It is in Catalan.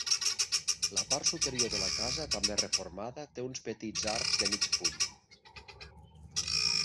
La part superior de la casa també reformada té uns petits arcs de mig punt.